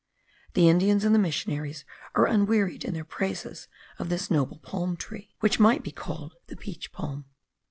The Indians and the missionaries are unwearied in their praises of this noble palm tree, which might be called the peach palm.